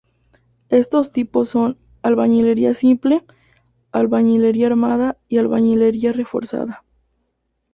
Estos tipos son: albañilería simple, albañilería armada y albañilería reforzada.